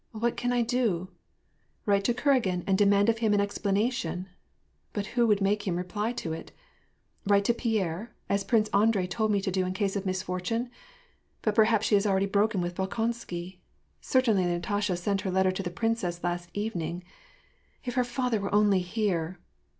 What can I do ? Write to Kuragin and demand of him an explanation ? But who would make him reply to it? Write to Pierre, as Prince Andrei told me to do in case of misfortune — But perhaps she has already broken with Bolkonsky ! Certainly Natasha sent her letter to the princess last evening — If her father were only here